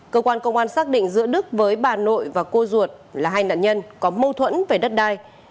cơ quan công an xác định giữa đức với bà nội và cô ruột là hai nạn nhân có mâu thuẫn về đất đai